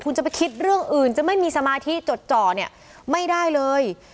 คุณจะไปคิดเรื่องอื่นจะไม่มีสมาธิจดจ่อเนี่ยไม่ได้เลย